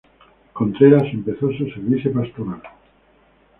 Contreras empezó su servicio pastoral.